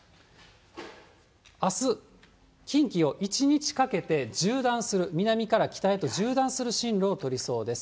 あす、近畿を一日かけて縦断する、南から北へと縦断する進路を取りそうです。